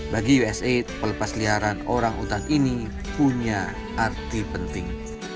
bagi usaid pelepasliaran orang utan ini punya arti penting